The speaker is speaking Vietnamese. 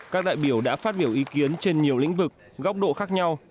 các đại biểu đã phát biểu ý kiến trên nhiều lĩnh vực góc độ khác nhau